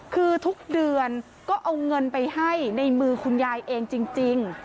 คือทุกเดือนก็เอาเงินไปให้ในมือคุณยายเองจริง